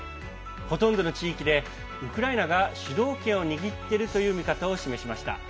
ほとんどの地域で、ウクライナが主導権を握っているという見方を示しました。